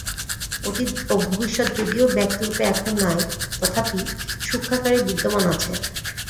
অতীত ও ভবিষ্যৎ যদিও ব্যক্তরূপে এখন নাই, তথাপি সূক্ষ্মাকারে বিদ্যমান আছে।